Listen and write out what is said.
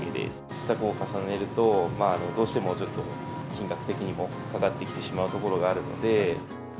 試作を重ねると、どうしてもちょっと、金額的にもかかってきてしまうところがあるので。